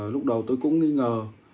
lúc đầu tôi cũng nghi ngờ